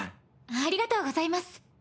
ありがとうございます。